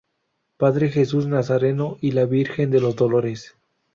Padre Jesús Nazareno y la Virgen de los Dolores.